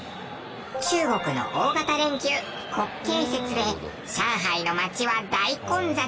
中国の大型連休国慶節で上海の街は大混雑。